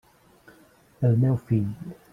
El meu fill.